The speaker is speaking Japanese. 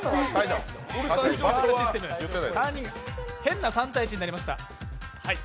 変な３対１になりました。